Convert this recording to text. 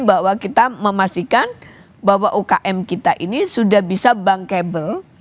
bahwa kita memastikan bahwa ukm kita ini sudah bisa bankable